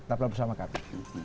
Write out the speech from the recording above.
tetaplah bersama kami